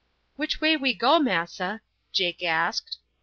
"Which way we go, massa?" Jake asked.